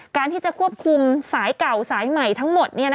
การที่จะควบคุมสายเก่าสายใหม่ทั้งหมด